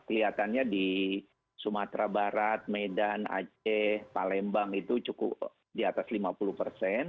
kelihatannya di sumatera barat medan aceh palembang itu cukup di atas lima puluh persen